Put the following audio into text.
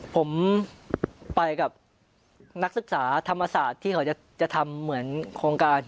ผมไปกับนักศึกษาธรรมศาสตร์ที่เขาจะทำเหมือนโครงการ